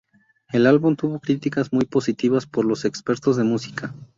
El álbum tuvo críticas muy positivas por los expertos de música.